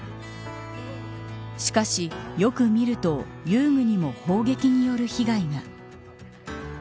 しかし、よく見ると遊具にも、砲撃による被害が。